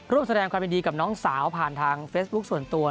แสดงความยินดีกับน้องสาวผ่านทางเฟซบุ๊คส่วนตัว